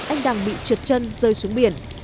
anh đằng bị trượt chân rơi xuống biển